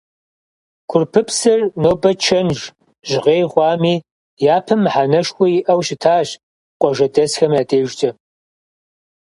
Курпыпсыр нобэ чэнж, жьгъей хъуами, япэм мыхьэнэшхуэ иӏэу щытащ къуажэдэсхэм я дежкӏэ.